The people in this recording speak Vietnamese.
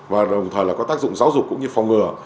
và đồng thời là có tác dụng giáo dục cũng như phòng ngừa